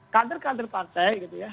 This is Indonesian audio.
kader kader partai gitu ya